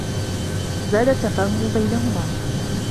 زاد التّفاهم بينهما.